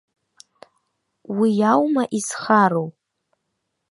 Уи аума изхароу?